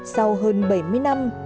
sau hơn bảy mươi năm